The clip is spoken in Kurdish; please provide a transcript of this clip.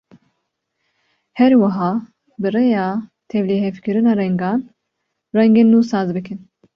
Her wiha bi rêya tevlihevkirina rengan, rengên nû saz bikin.